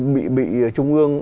bị trung ương